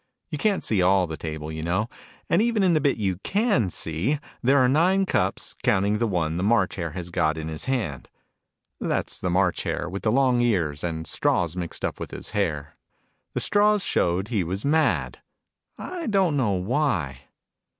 You ca'n't see all the table, you know, and even in the bit you can see there are nine cups, counting the one the March Hare has got in his hand. That's the March Hare, with the long ears, and straws mixed up with his hair. The straws Digitized by Google 38 THE NURSERY " ALICE. showed he was mad I don't know why.